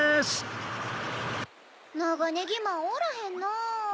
・ナガネギマンおらへんな。